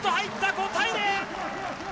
５対０！